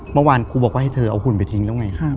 เมื่อวานครูบอกว่าให้เธอเอาหุ่นไปทิ้งแล้วไง